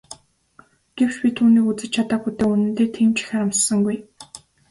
Гэвч би түүнийг үзэж чадаагүй дээ үнэндээ тийм ч их харамссангүй.